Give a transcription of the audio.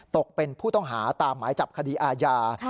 ตกเป็นผู้ต้องหาตามหมายจับคดีอาญา